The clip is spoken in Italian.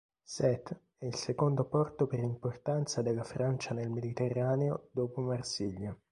Sète è il secondo porto per importanza della Francia nel Mediterraneo dopo Marsiglia.